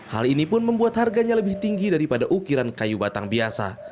hal ini pun membuat harganya lebih tinggi daripada ukiran kayu batang biasa